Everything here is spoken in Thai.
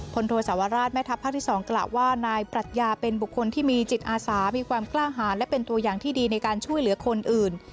โทษสาวราชแม่ทัพภาคที่๒กล่าวว่านายปรัชญาเป็นบุคคลที่มีจิตอาสามีความกล้าหารและเป็นตัวอย่างที่ดีในการช่วยเหลือคนอื่น